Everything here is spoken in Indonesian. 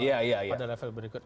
pada level berikut